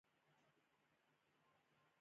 د بولان پټي د افغانستان د طبیعت د ښکلا برخه ده.